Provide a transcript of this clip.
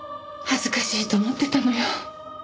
恥ずかしいと思ってたのよ